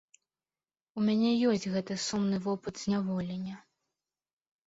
У мяне ёсць гэты сумны вопыт зняволення.